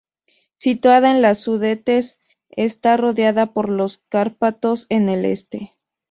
Situada en los Sudetes, está rodeada por los Cárpatos en el este.